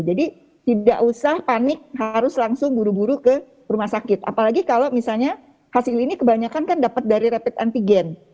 jadi tidak usah panik harus langsung buru buru ke rumah sakit apalagi kalau misalnya hasil ini kebanyakan kan dapat dari rapid antigen